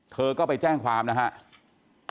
เธอก็ไปแจ้งความนะครับ